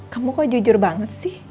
kamu kok jujur banget sih